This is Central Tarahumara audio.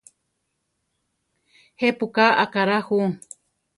Jepú ka akará jú?